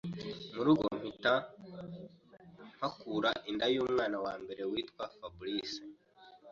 mu rugo mpita mpakura inda y’umwana wa mbere witwa Fabrice,